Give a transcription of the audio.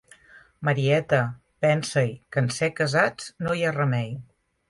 Marieta, pensa-hi, que en ser casats, no hi ha remei.